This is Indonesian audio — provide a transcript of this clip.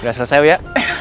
udah selesai uya